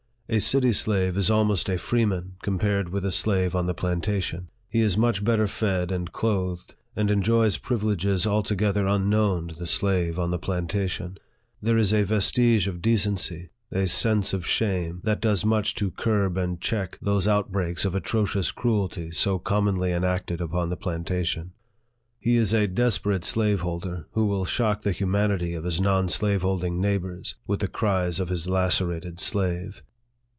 A city slave is almost a freeman, compared with a slave on the plantation. He is much better fed and clothed, and enjoys privileges altogether unknown to the slave on the plantation. There is a vestige of de cency, a sense of shame, that does much to curb and LIFE OF FREDERICK DOUGLASS. 35 check those outbreaks of atrocious cruelty so com monly enacted upon the plantation. He is a desperate slaveholder, who wilt shock the humanity of his non slaveholding neighbors with the cries of his lacerated slave.